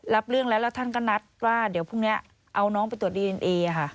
รับเรื่องแล้วแล้วท่านก็นัดว่าเดี๋ยวพรุ่งนี้เอาน้องไปตรวจดีเอ็นเอค่ะ